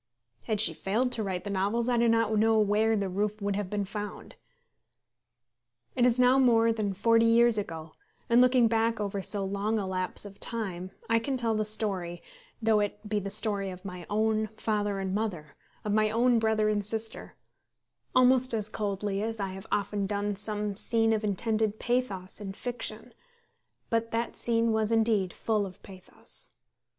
Had she failed to write the novels, I do not know where the roof would have been found. It is now more than forty years ago, and looking back over so long a lapse of time I can tell the story, though it be the story of my own father and mother, of my own brother and sister, almost as coldly as I have often done some scene of intended pathos in fiction; but that scene was indeed full of pathos.